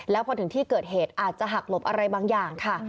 แล้วพอถึงที่เกิดเหตุอาจจะหักหลบอะไรบางอย่างค่ะ